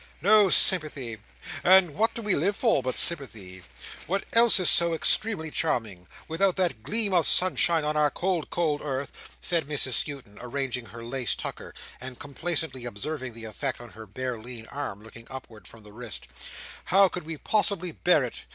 "No sympathy. And what do we live for but sympathy! What else is so extremely charming! Without that gleam of sunshine on our cold cold earth," said Mrs Skewton, arranging her lace tucker, and complacently observing the effect of her bare lean arm, looking upward from the wrist, "how could we possibly bear it?